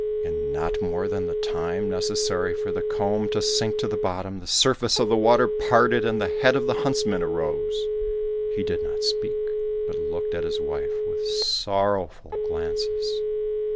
In not more than the time necessary for the comb to sink to the bottom, the surface of the water parted, and the head of the huntsman arose. He did not speak, but looked at his wife with sorrowful glances.